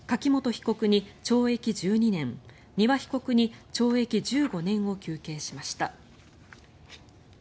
被告に懲役１２年丹羽被告に懲役１５年を求刑しました。